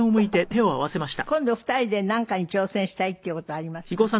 今度２人でなんかに挑戦したいっていう事はありますか？